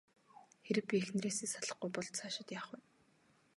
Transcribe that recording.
Хэрэв би эхнэрээсээ салахгүй бол цаашид яах вэ?